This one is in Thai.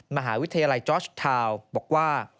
มหาวิทยาลัยจอร์ชทาวน์บอกว่า